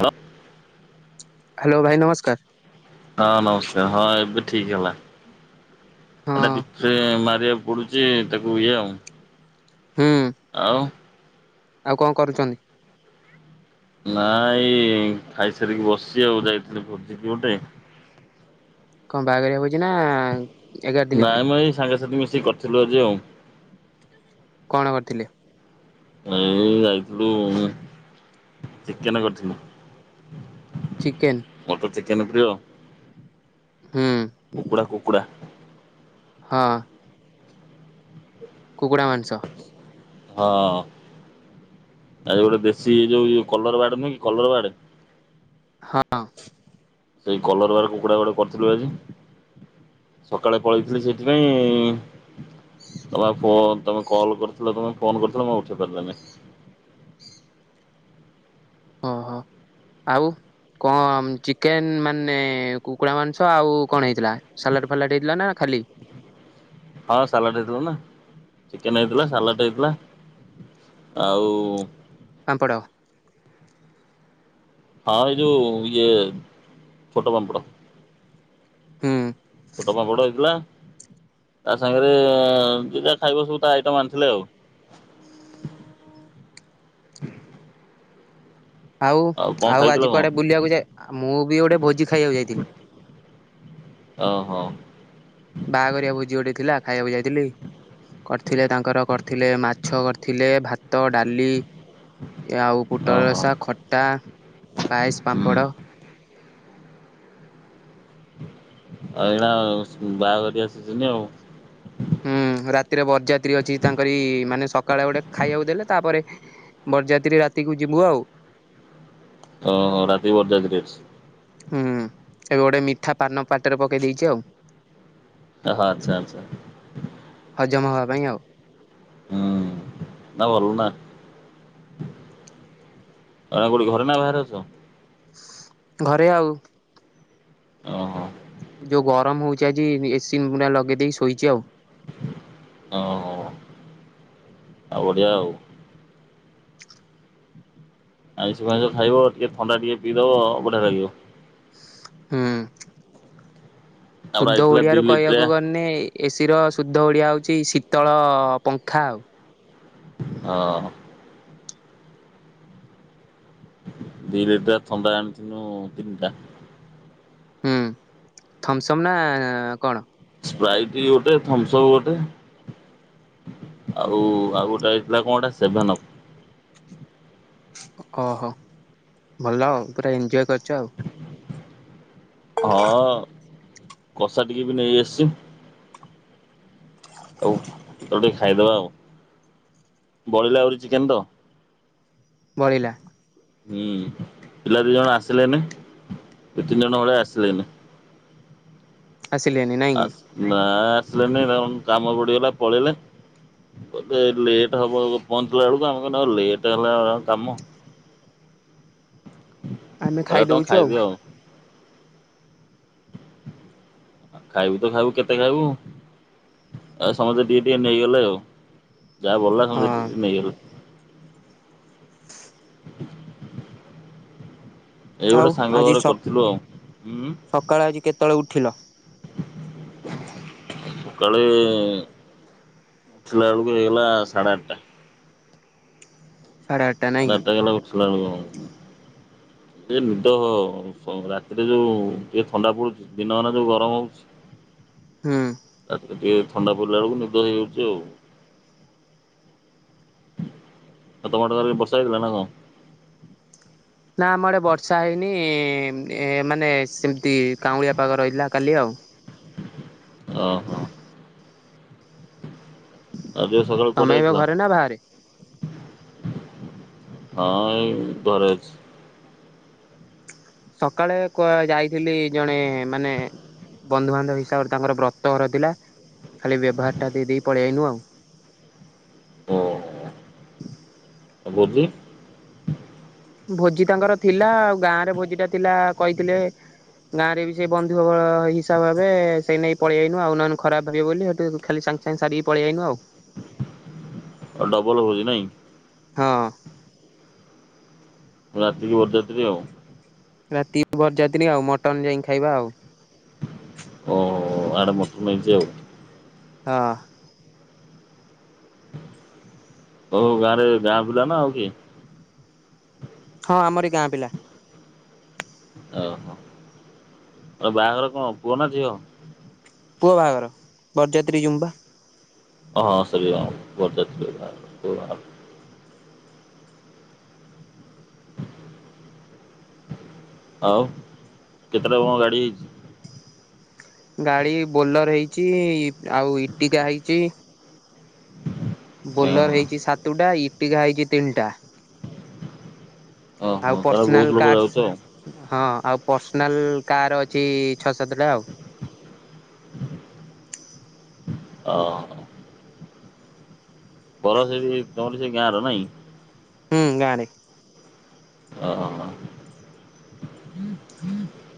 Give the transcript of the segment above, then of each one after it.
ହ, ହ୍ୟାଲୋ ଭାଇ ନମସ୍କାର। ହଁ, ନମସ୍କାର ହଁ, ଏବେ ଠିକ ହେଲା। ଏଟା ହଁ ଦି ଥେଁ ମାରିଆ ପୋଡୁଛି ତାକୁ ଇଏ ଆଉଁ। ହୁଁ ଆଉ କଣ କରୁଛନ୍ତି? ନା ଇଁ ଖାଇସାରିକି ବସିଛି ଆଉ ଯାଇଥିଲି ଭୋଜିିକି ଗୋଟେ। କଁ ବାହାଘରିଆ ଭୋ ଛି ନା ଏଗାର ଦିନ ହୋଇଛି। କିଛି କରିଥିଲୁ ଯେଉଁ କଣ କରିଥିଲି ଏଇ ଯାଇଥିଲୁ ଉଁ ଚିକେନ କରିଥିଲୁ। ଚିକେନ। ଚିକନ ପ୍ରିୟ। ହୁଁ କୁକୁଡ଼ା କୁକୁଡ଼ା। ହଁ। କୁକୁଡ଼ା ମାଂସ। ହଁ ଆଜି ଗୋଟେ ଦେଶୀ ଯୋଉ କଲର ବାର୍ଡ ନୁହେଁ କି କଲର ବାର୍ଡ। ହଁ। ସେଇ କଲର ବାର୍ଡ କୁକୁଡା ଗୋଟେ କରିଥିଲୁ ଆଜି। ସକାଳେ ପଳେଇଥିଲି ସେଇଥିପାଇଁ [unintelligible] ତମ। କଲ କରିଥିଲ ତମେ ଫୋନ କରିଥିଲ ମୁ ଉଠେଇ ପାରିଲାନି। ଓହୋ ଆଉ କଣ ଚିକେନ ମାନେ କୁକୁଡ଼ା ମାଂସ ଆଉ କଣ ହେଇଥିଲା। ସାଲାଡ ଫାଲାଡ଼ ହେଇଥିଲା ନା ଖାଲି। ହଁ ସାଲାଡ଼ ହେଇଥିଲା। ନା ଚିକେନ ହେଇଥିଲା ସାଲାଡ଼ ହେଇଥିଲା। ଆଉ ପାମ୍ପଡ। ହଁ ଏଇ ଯଉ ଇଏ ଛୋଟ ପାମ୍ପଡ଼। ହୁଁ। ଛୋଟ ପାମ୍ପଡ ହେଇଥିଲା। ତା ସାଙ୍ଗରେ ଯିଏ ଯାହା ଖାଇବ ସବୁ ତା ଆଇଟମ ଆଣିଥିଲେ ଆଉ। ଆଉ କଣ ଆଉ ଖାଇଥିଲ ଆଜି କଣ? କୁଆଡେ ବୁଲିବାକୁ ଯାଏ ମୁଁ ବି ଗୋଟେ ଭୋଜି ଖାଇବାକୁ ଯାଇଥିଲି। ଓ ହୋ। ବାହାଘରିଆ ଭୋଜି ଗୋଟେ ଥିଲା ଖାଇବାକୁ ଯାଇଥିଲି। କରିଥିଲେ ତାଙ୍କର କରିଥିଲେ ମାଛ କରିଥିଲେ ଭାତ ଡାଲି। ଏ ଆଉ ପୋଟଳ ଓହୋ ରସା ଖଟା ପାଏସ ହୁଁ ପାମ୍ପଡ଼। ଆ ଏଇନା ବାହାଘରିଆ ସିଜିନି ଆଉ। ହୁଁ ରାତିରେ ବରଯାତ୍ରୀ ଅଛି ତାଙ୍କରି ମାନେ ସକାଳେ ଗୋଟେ ଖାଇବାକୁ ଦେଲେ। ତାପରେ ବରଯାତ୍ରୀ ରାତିକୁ ଯିବୁ ଆଉ। ଓ ହୋ ରାତି ବରଯାତ୍ରୀ ଅଛି। ହୁଁ ଏବେ ଗୋଟେ ମିଠା ପାନ ପାଟିରେ ପକେଇ ଦେଇଛି ଆଉ। ଅ ହ ଆଚ୍ଛା ଆଛା। ହଜମା ହବା ପାଇଁ ଆଉ ହୁଁ ନା ଭଲ ନା ଏଇନା କୋଉଠି ଘରେ ନା ବାହାରେ ଅଛ। ଘରେ ଆଉ। ଓ ହୋ। ଯୋଉ ଗରମ ହଉଛି। ଆଜି ଏସି ଲଗେଇ ପୁରା ଲଗେଇ ଦେଇକି ଶୋଇଛି ଆଉ। ଓ ହୋ ଆଉ ବଢିଆ ଆଉ। ଆଇଁଷ ଫାଇଁଷ ଖାଇବ ଟିକେ ଥଣ୍ଡା ଟିକେ ପିଇଦବ ବଢିଆ ଲାଗିବ। ହୁଁ ଆମର ଶୁଦ୍ଧ ଆଇଥିଲା ଓଡିଆ ଦି ର ଲିଟରିଆ କହିବାକୁ ଗନେ ଏସ ଶୀର ଶୁଦ୍ଧ ଓଡିଆ ହଉଛି ଶୀତଳ ପଙ୍ଖା ଆଉ। ହଁ ଦି ଲିଟିରିଆ ଥଣ୍ଡା ଆଣିିଥିନୁ ତିନିଟା। ହୁଁ ଥମସମ ନା କଣ। ସ୍ପ୍ରାଇଟ୍ ଗୋଟେ ଥମ୍ସ ଅପ୍ ଗୋଟେ। ଆଉ ଆଉ ଗୋଟେ ଆଇଥିଲା କଣ ଏଟା ସେଭେନ୍ ଅପ୍। ଓହୋ ଭଲ ଆଉ ପୁରା ଏଞଜୟ କରି ଚ। ହଁ କଷା ଟିକେ ବି ନେଇ ଆସିଛି। ଆଉ ତର ଟିକେ ଖାଇଦବା ଆଉ ବଳିଲା ଆହୁରି ଚିକେନ ତ। ବଳିଲା। ହୁଁ ପିଲା ଦି ଜଣ ଆସିଲେନି ଦି ତିନି ଜଣ ଭଳିଆ ଆସିଲେନି। ଆସି ଲେନି ନାହିଁକି? ଆସ ନା ଆସିଲେନି କାମ ବଡିଗଲା ପଳେଇଲେ ଏବେ ଲେଟ୍ ହବ ପହଞ୍ଚିଲା ବେଳକୁ ଆମ ମାନଙ୍କର ଲେଟ୍ ହେଲା କାମ। ଆମେ ହେ ତମେ ଖାଇଦଉଛୁ ଆଉ ଖାଇଦିଅ। ଖାଇବୁ ତ ଖାଇବୁ କେତେ ଖାଇବୁ ଆଉ ସମସ୍ତେ ଟିକେ ଟିକେ ନେଇଗଲେ ଆଉ। ଯାହା ଭଳିଲା ସମସ୍ତେ ହଁ ଟିକେ ଟିକେ ନେଇଗଲେ। [unintelligible] ଏଇ ଆଉ ଗୋଟେ ସାଙ୍ଗ ଆଜି ଘରେ ସ କରିଥିଲୁ ଆଉ। ହଁ ତଳେ ଉଠିଲ? ସକାଳେ ଉଠିଲା ବେଳକୁ ହେଇଗଲା ସାଢେ ଆଠଟା। ସାଢ଼େ ନାଇଁ ସାଢେ କି? ଆଠଟା ହାଇଗଲା ଉଠିଲା ବେଳୁ। ଏ ନିଦ ରାତିରେ ଯୋଉ ଟିକେ ଥଣ୍ଡା ପଡୁଛି ଦିନମାନ ଯୋଉ ଗରମ ହଉଛି ହୁଁ। ରାତିରେ ଟିକେ ଥଣ୍ଡା ପଡ଼ିଲା ବେଳକୁ ନିଦ ହେଇଯାଉଛି ଆଉ। ଆଉ ତମ ଆଡେ କାଲି ବର୍ଷା ହେଇଥିଲା ନା କଣ? ନା ଆମ ଆଡେ ବର୍ଷା ହେଇନି ଏ ମାନେ ସେମିତି କାଉାଉଁଳିଆ ପାାଗ ରହିଥିଲା କାଲି ଆଉ। ଓ ହୋ। ଯୋଉ ସକାଳୁ କୁଆଡେ ତମେ ଏବେ ଯାଇଥିଲ? ଘରେ ନା ବାହାରେ? ହଁ ଏଇ ଘରେ ଅଛି। ସକାଳେ ଯାଇଥିଲି ଜଣେ ମାନେ ବନ୍ଧୁବାନ୍ଧବ ହିସାବରେ ତାଙ୍କର ବ୍ରତ ଘର ଥିଲା ଖାଲି ବ୍ୟବହାରଟା ଦେଇ ଦେଇକି ପଳେଇ ଆସିଲୁ ଆଉ। ଓୋ ଆଉ ଭୋଜି? ଭୋଜି ତାଙ୍କର ଥିଲା ଆଉ ଗାଁ ରେ ଭୋଜି ଟା ଥିଲା କହିଥିଲେ ଗାଁରେ ବି ସେ ବନ୍ଧୁବ ହିସାବ ଭାବେ ସେଇ ନେଇକି ପଳେଇଆାଇନୁ ଆଉ ନହେଲେ ଖରାପ ଭାବିବେ ବୋଲି ସେଠୁ ଖାଲି ସାଙ୍ଗେ ସାଙ୍ଗେ ସାରିକି ପଳେଇଆାଇନୁ ଆଉ। ଆଉ ଡବଲ ହଉଛି ନାଇଁ? ହଁ। ରାତିକି ବରଯାତ୍ରୀ ଆଉ? ରାତି ବରଯାତ୍ରୀ ଆଉ ମଟନ୍ ଯାଇକି ଖାଇବା ଆଉ। ଓ ଆଡେ ମଟନ ହଇଛି ଅଉ। ହଁ। ହଉ ଗାଁରେ ଗାଁ ପିଲା ନା ଅଉ କିଏ? ହଁ ଆମର ଗାଁ ପିଲା। ଓହୋ ଆଉ ବାହାଘର କଣ ପୁଅ ନା ଝିଅ? ପୁଅ ବାହାଘର ବରଯାତ୍ରୀ ଜୁମୁ ପା। ହଁ ହଁ ସେଇଆ ବରଯାତ୍ରୀ ଆଉ କେତେଟା କଣ ଗାଡି ହେଇଛି? ଗାଡ଼ି ବୋଲର ହେଇଛି ଆଉ ଇଟିକା ହେଇଛି। ବୋଲର ଓହୋ ହେଇଛି ସାତଟା ଇ ଟିଘା ହେଇଛି ତିନିଟା। ଓହୋ ଆଉ ତାହେଲେ ବହୁତ ପର୍ସନାଲ ଲୋକ କାର୍ ଯାଉଛ ଆଉ। ହଁ। ଆଉ ପର୍ସନାଲ୍ କାର୍ ଅଛି ଛଅ ସାତଟା ଆଉ। ଓହୋ। ବର ସେଇ ତମର ସେଇ ଗାଁ ର ନାଇଁ? ହୁଁ ଗାରେ। ଓ ହ ହ‌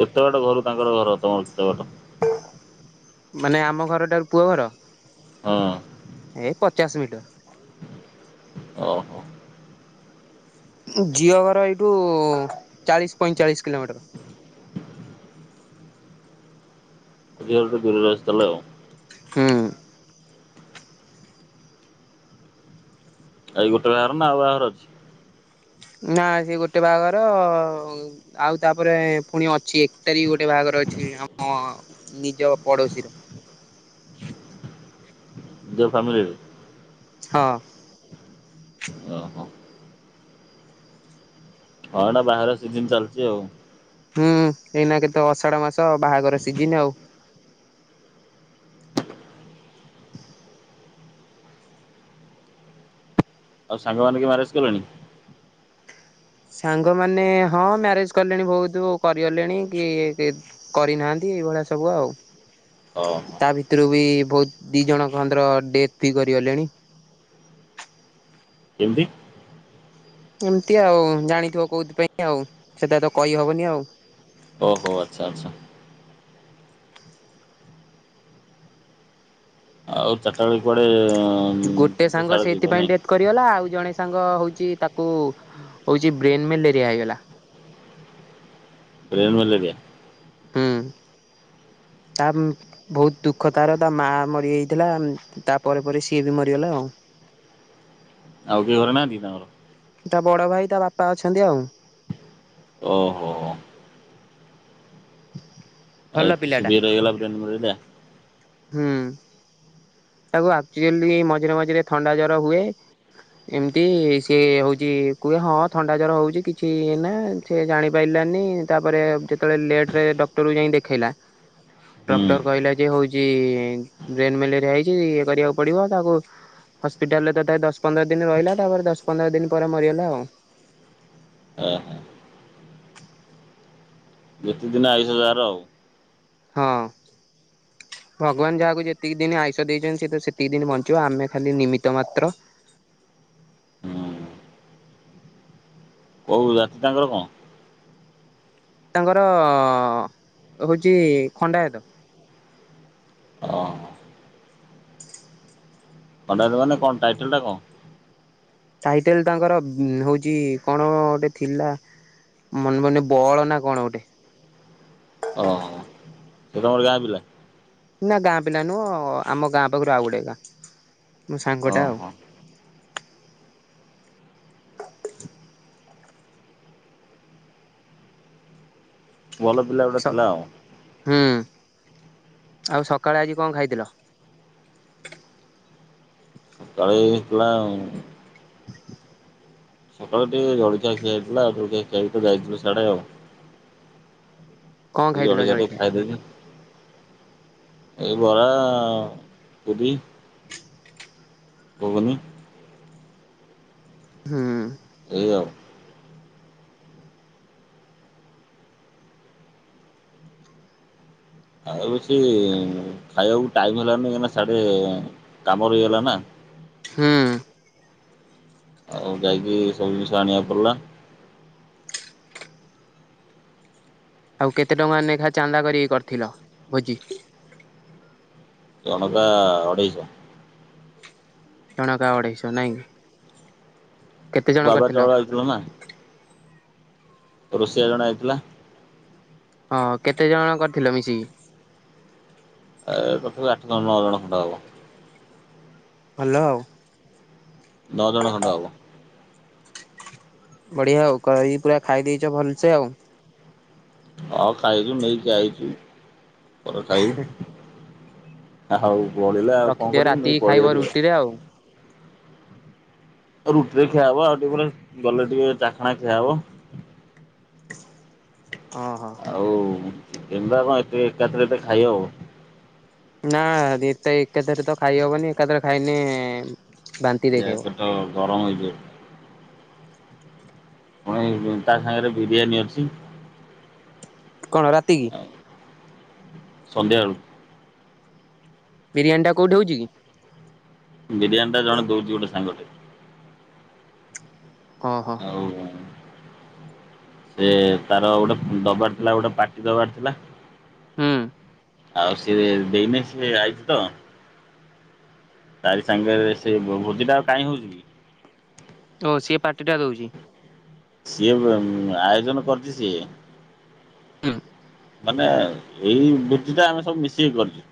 କେତେ ବାଟ ଘରୁ ତାଙ୍କର ଘର ତମର କେତେ ବାଟ। ମାନେ ଆମ ଘରଠାରୁ ପୁଅ ଘର। ହଁ। ଏଇ ପଚାଶ ମିଟର। ଓହୋ ଝିଅ ଘର ଏଇଠୁ ଚାଳିଶ ପଇଁଚାଳିଶ କିଲୋମିଟର। ଝିଅ ଘରଠାରୁ ଦୂରେରେ ଆସଥିଲା ଆଉ। ହୁଁ। ଏଇ ଗୋଟେ ବାହାଘର ନା ଆଉ ବାହାଘର ଅଛି? ନା ସେ ଗୋଟେ ବାହାଘର ଆଉ ତାପରେ ପୁଣି ଅଛି ଏକ ତାରିଖ ଗୋଟେ ବାହାଘର ଅଛି ଆମ ନିଜ ପଡୋଶୀର। ଯୋଉ ଫାମିଲିରେ ହଁ। ଅ ହ। ହଁ ଏଇନା ବାହାଘର ସିଜିନ ଚାଲିଛି ଆଉ। ହୁଁ ଏଇନା କେତେ ଅଷାଢ ମାସ ବାହାଘର ସିଜିନ ଆଉ। [inaudible] ଆଉ ସାଙ୍ଗ ମାନେ କିଏ ମ୍ୟାରେଜ କଲେଣି। ସାଙ୍ଗମାନେ ହଁ ମ୍ୟାରେଜ କଲେଣି ବହୁତ କରିଗଲେଣି କି କରିନାହାନ୍ତି ଏଇଭଳିଆ ସବୁ ଆଉ। ଓହୋ ତା ଭିତରୁ ବି ବହୁତ ଦି ଜଣ ଖଣ୍ଡର ଡେଥ ବି କରିଗଲେଣି। କେମିତି। ଏମତି ଆଉ ଜାଣିଥିବ କୋଉଥିପାଇଁ ଆଉ ସେଟା ତ କହିହବନି ଆଉ। ଓ ହୋ ଆଚ୍ଛା ଆଚ୍ଛା। ଆଉ ଚାର୍ଟା ବେଳେ କୁଆ ଗୋଟେ ସାଙ୍ଗ ସେଇଥିପାଇଁ ନାଇଁ ଡେଥ କରିଗଲା ଆଉ ଜଣେ ସାଙ୍ଗ ହଉଛି ତାକୁ ହଉଛି ବ୍ରେନ୍ ମେଲେରିଆ ହେଇଗଲା। Brain malaria. ହୁଁ ତା ବହୁତ ଦୁଃଖ ତାର ତା ମା ମରିଯାଇଥିଲା ତାପରେ ପରେ ସିଏ ବି ମରିଗଲା ଆଉ। ଆଉ କିଏ ଘରେ ନାହାନ୍ତି ତାଙ୍କର। ତା ବଡ ଭାଇ ତା ବାପା ଅଛନ୍ତି ଆଉ। ଓ ହୋ। [inaudible] ଏତେ ପିଲାଟା ସିଭିୟର୍ ହେଇଗଲା ବ୍ରେନ୍ ମାଲେରିଆ। ହୁଁ। ତାକୁ ଆକ୍ଚୁଲି ମଝିରେ ମଝିରେ ଥଣ୍ଡା ଜର ହୁଏ ଏମତି ସିଏ ହଉଛି କୁହେ ହଁ ଥଣ୍ଡା ଜର ହଉଛି କିଛି ନା ସେ ଜାଣିପାରିଲାନି ତାପରେ ଯେତେବେଳେ ଲେଟ ରେ ଡକ୍ଟରକୁ ଯାଇ ଦେଖେଇଲା ହୁଁ। ଡକ୍ଟର କହିଲା ଯେ ହଉଛି ବ୍ରେନ ମ୍ୟାଲେରିଆ ହେଇ ଛି ଇଏ କରିବାକୁ ପଡିବ ତାକୁ ହପିଟାଲରେ ତଥାପି ଦଶ ପନ୍ଦର ଦିନ ରହିଲା ତାପରେ ଦଶ ପନ୍ଦର ଦିନ ପରେ ମରିଗଲା ଆଉ। ଯେତେ ଦିନ ଆାଇଶ ଜାହାର ଆଉ। ହଁ ଭଗବାନ ଯାହାକୁ ଯେତିକି ଦିନ ଆୟୁଷ ଦେଇଛନ୍ତି ସେ ତ ସେତିକି ଦିନ ବଞ୍ଚିବ ଆମେ ଖାଲି ନିମିତ ମାତ୍ର। ହୁଁ କୋଉ ଜାତି ତାଙ୍କର କଣ? ତାଙ୍କର ହଉଛି ଖଣ୍ଡାୟତ। ଓହୋ ଖଣ୍ଡାୟତ ମାନେ କଣ ଟାଇଟେଲ୍ ଟା କଣ? ଟାଇଟେଲ ତାଙ୍କର ହଉଛି କଣ ଗୋଟେ ଥିଲା ମନ ମନେ ବଳ ନା କଣ ଗୋଟେ। ଓହୋ ସେ ତମର ଗାଁ ପିଲା। ନା ଗାଁ ପିଲା ନୁହଁ ଆମ ଗାଁ ପାଖରୁ ଆଉ ଗୋଟେ ଗାଁ ମୋ ସାଙ୍ଗଟା ଆଉ। ଓହୋ ଭଲ ପିଲା ଗୋଟେ ଥିଲା ଆଉ। ହୁଁ ଆଉ ସକାଳେ ଆଜି କଣ ଖାଇଥିଲ? ଆଜି ହେଇଥିଲା ସକାଳୁ ଟିକେ ଜଳଖିଆ ଖିଆହେଇଥିଲା [unintelligible] ତ ଯାଇଥିଲୁ ସେଆଡେ ଆଉ। କଣ ଟିକେ ଖାଇଥିଲ ଜଳଖିଆ ଟିକେ ଖାଇଦେଇଥିଲି। ଏଇ ବରା ପୁରୀ। ଘୁଗୁନି। ହୁଁ। ଏଇଆଉ। ଆଉ। ଟିକେ ଖାଇବାକୁ ଟାଇମ ହେଲାନି କାହିଁକିନା ସାଢେ କାମ ରହିଗଲା ନା ହୁଁ ଆଉ ଯାଇକି ସବୁ ଜିନିଷ ଆଣିବାକୁ ପଡ଼ିଲା। ଆଉ କେତେ ଟଙ୍କା ଲେଖା ଚାନ୍ଦା କରିକି କରିଥିଲ ଭୋଜି। ଜଣକା ଅଢେଇଶ। ଜଣକା ଅଢେଇଶ ନାଇଁ। କେତେ ଜଣ ବାବା କରିଥିଲ ଚାଉଳ ଆଣିଥିଲୁ ନା। ରୋଷେଇଆ ଜଣେ ଆଇଥିଲା। ହଁ କେତେ ଜଣ କରିଥିଲ ମିଶିକି। ତଥିବେ ଆଠ ଜଣ ନଅ ଜଣ ଖଣ୍ଡ ହବ। ହ୍ୟାଲୋ। ନ ଜଣ ଖଣ୍ଡ ହବ। ବଢିଆ ଆଉ କରି ପୁରା ଖାଇ ଦେଇେଇଛ ଭଲସେ ଆଉ। ହଁ ଖାଇଛୁ ନେଇକି ଆଇଛୁ। ପରେ ଖାଇବୁ। ଆ ହୋଉ ବଳିଲା ଆଉ କଣ ରଖିଦିଅ କରିବୁ ନେଇ ରାତିକି ଖାଇବ ପଳେଇଆଇଲୁ ଆଉ। ରୁଟିରେ ରୁଟିରେ ଖିଆ ହବ ଆଉ ଟିକେ ପରେ ଗଲେ ଟିକେ ଚାଖଣା ଖିଆହବ। ଓହୋ ଆଉ। [unintelligible] ନା ଏ ତ ଏକାଥରେ ତ ଖାଇହବନି ଏକାଥରେ ଖାଇନି। ଯେ ପେଟ ଗରମ ହେଇଯିବ। ପୁଣି ତା ସାଙ୍ଗରେ ବିରିୟାନୀ ଅଛି। କଣ ରାତି କି। ସନ୍ଧା ଓଳୁକୁ। ବିରିୟାନୀ ଟା କୋଉଠି ହୋଉଛି କି। ବିରିୟାନୀ ଟା ଜଣେ ଦୋଉଛି ଗୋଟେ ସାଙ୍ଗଟେ। ଓହୋ। ଆଉ। ସେ ତାର ଗୋଟେ ଦବାର ଥିଲା ଗୋଟେ ପାଟି ଦବାର ଥିଲା। ହୁଁ ଆଉ ସିଏ ଦେଇନି ସିଏ ଆଇଛି ତ ତାରି ସାଙ୍ଗରେ ସେ ଭୋଜି ଟା ଆଉ କାହିଁକି ହୋଉଛି କି? ଓ ସିଏ ପାାର୍ଟି ଟା ଦଉଛି। ସିଏ ଆୟୋଜନ କରିଛି‌ ସିଏ। ହୁଁ ମାନେ ଏଇ ବୁଦ୍ଧି ଟା ଆମେ ସବୁ ମିଶି କରିଛୁ।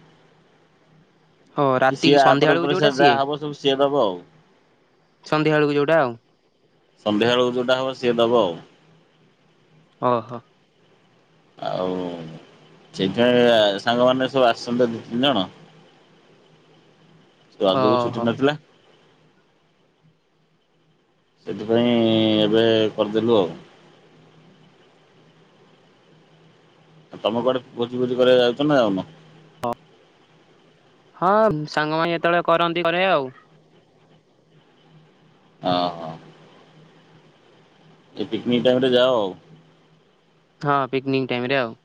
ଓ କି ସିଏ ରାତିକି ସନ୍ଧ୍ୟା ଆପ ବେଳକୁ ପରେ ସ ଯୋଉଟା ସିଏ। ଯାହା ହବ ସବୁ ସିଏ ଦବ ଆଉ। ସନ୍ଧ୍ୟା ବେଳକୁ ଯୋଉଟା ଆଉ ସନ୍ଧ୍ୟାବେେଳକୁ ଯୋଉଟା ହବ ସିଏ ଦବ ଆଉ। ଓ ହୋ। ଆଉ ସେଇଥିାଇଁ, ସାଙ୍ଗମାନେ ସବୁ ଆସୁଛନ୍ତି ଦୁଇ, ତିନି, ଜଣ। ତ ଆଗକୁ ଛୁଟି ଓହୋ। ନଥିଲା। ସେଥିପାଇଁ, ଏବେ କରିଦେଲୁ ଆଉ। ତମେ କୁଆଡେ ଭୋଜି, ଭୋଜି କରିବାକୁ ଯାଉଛ ନା ଯାଉନ? ହଁ, ସାଙ୍ଗମାନେ ଯେତେବେଳେ କରନ୍ତି କରେ ଆଉ। ଓ ହୋଃ। ସେ ପିକନିକ ଟାଇମ୍ ରେ ଯାଅ ଆଉ। ହଁ, ପିକନିକ ଟାଇମ୍ ରେ ଆଉ।